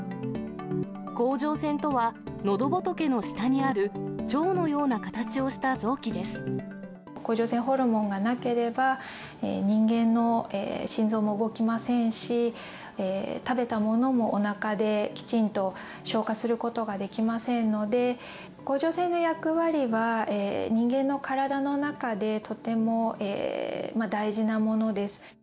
甲状腺とは、のどぼとけの下にある、甲状腺ホルモンがなければ、人間の心臓も動きませんし、食べたものも、おなかできちんと消化することができませんので、甲状腺の役割は、人間の体の中で、とても大事なものです。